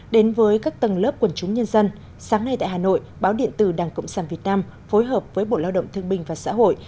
đến với các tầng lớp quần chúng nhân dân sáng nay tại hà nội báo điện tử đảng cộng sản việt nam phối hợp với bộ lao động thương binh và xã hội